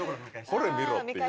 「ほれ見ろ」っていう。